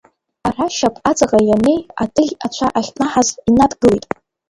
Ара шьап аҵаҟа ианнеи, аҭыӷь ацәа ахькнаҳаз инадгылеит.